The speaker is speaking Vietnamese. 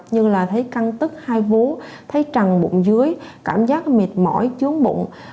như là thấy căng tức hai vú thấy trằng bụng dưới cảm giác mệt mỏi chướng bụng